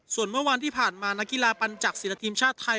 ส่วนเมื่อวันที่ผ่านมานักกีฬาปัญจักษิณทีมชาติไทย